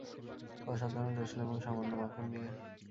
অসাধারণ রসুন এবং সামান্য মাখন দিয়ে?